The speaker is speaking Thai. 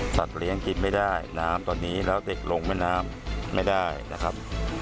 เลี้ยงกินไม่ได้น้ำตอนนี้แล้วเด็กลงแม่น้ำไม่ได้นะครับ